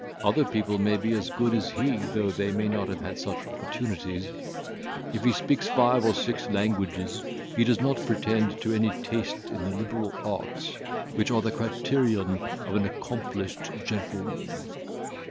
other people may be as good as he, though they have not had such opportunities; if he speaks five or six languages, he does not pretend to any taste in the liberal arts, which are the criterion of an accomplished gentleman.